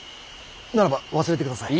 ならば忘れてください。